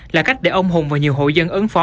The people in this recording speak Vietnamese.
là cách để ông hùng và nhiều hộ dân ứng phó